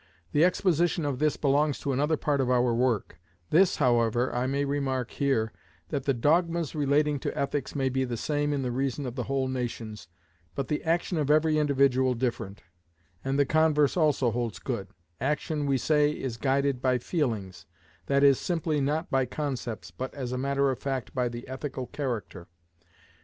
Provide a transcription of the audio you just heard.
The exposition of this belongs to another part of our work; this, however, I may remark here, that the dogmas relating to ethics may be the same in the reason of whole nations, but the action of every individual different; and the converse also holds good; action, we say, is guided by feelings,—that is, simply not by concepts, but as a matter of fact by the ethical character.